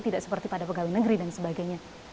tidak seperti pada pegawai negeri dan sebagainya